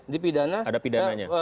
di pidana ada pidana